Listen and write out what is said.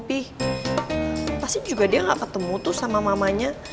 tapi pasti juga dia gak ketemu tuh sama mamanya